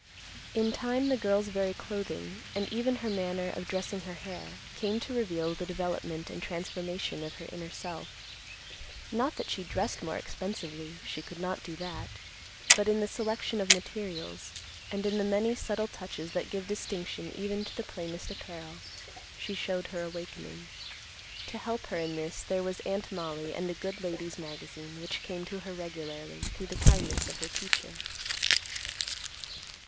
In time, the girl's very clothing, and even her manner of dressing her hair, came to reveal the development and transformation of her inner self; not that she dressed more expensively; she could not do that; but in the selection of materials, and in the many subtle touches that give distinction even to the plainest apparel, she showed her awakening. To help her in this, there was Aunt Mollie and a good ladies' magazine, which came to her regularly, through the kindness of her teacher.